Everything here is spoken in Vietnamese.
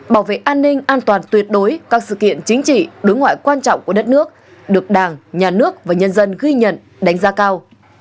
bảo vệ an ninh an toàn tuyệt đối các sự kiện chính trị đối ngoại quan trọng của đất nước được đảng nhà nước và nhân dân ghi nhận đánh giá cao